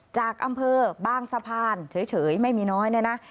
จากอำเภอบางสะพานเฉยไม่มีน้อยเนี่ยนะ